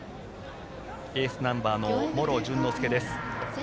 エースナンバーの茂呂潤乃介です。